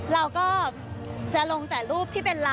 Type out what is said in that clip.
เราก็จะลงแต่รูปที่เป็นเรา